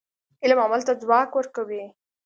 علم عمل ته ځواک ورکوي.